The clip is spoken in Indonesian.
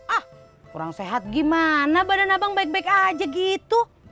ah kurang sehat gimana badan abang baik baik aja gitu